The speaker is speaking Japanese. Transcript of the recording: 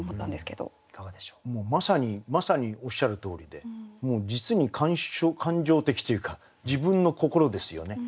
まさにおっしゃるとおりで実に感情的というか自分の心ですよね。